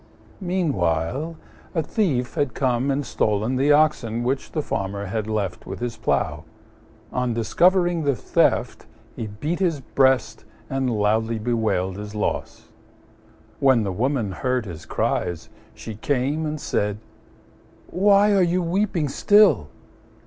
Meanwhile, a thief had come and stolen the oxen which the Farmer had left with his plough. On discovering the theft, he beat his breast and loudly bewailed his loss. When the Woman heard his cries, she came and said, "Why, are you weeping still?"